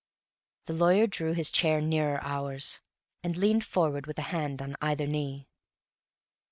The lawyer drew his chair nearer ours, and leant forward with a hand on either knee.